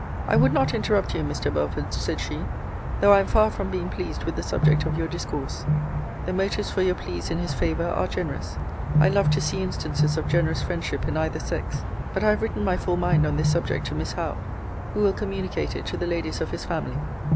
I would not interrupt you, Mr. Belford, said she, though I am far from being pleased with the subject of your discourse. The motives for your pleas in his favour are generous. I love to see instances of generous friendship in either sex. But I have written my full mind on this subject to Miss Howe, who will communicate it to the ladies of his family.